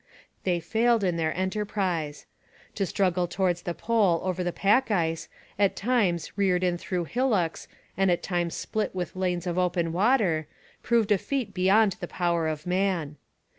They failed in their enterprise. To struggle towards the Pole over the pack ice, at times reared in rough hillocks and at times split with lanes of open water, proved a feat beyond the power of man.